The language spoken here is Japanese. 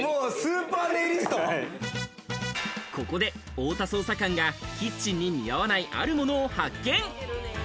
ここで太田捜査官がキッチンに似合わない、あるものを発見。